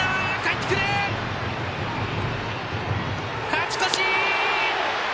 勝ち越し！